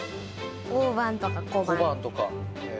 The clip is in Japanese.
大判とか小判とか。